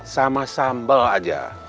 sama sambal aja